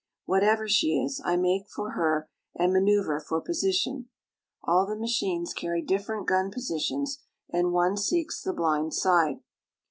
Whatever she is I make for her and manoeuvre for position. All the machines carry different gun positions and one seeks the blind side.